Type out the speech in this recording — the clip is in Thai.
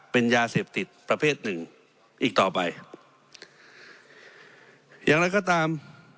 เป็นยาเสพติดประเภทหนึ่งอีกต่อไปอย่างไรก็ตาม